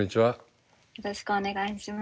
よろしくお願いします。